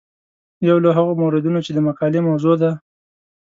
یو له هغو موردونو چې د مقالې موضوع ده.